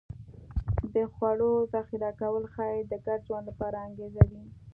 د خوړو ذخیره کول ښایي د ګډ ژوند لپاره انګېزه وي